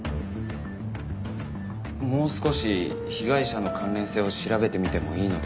もう少し被害者の関連性を調べてみてもいいのでは？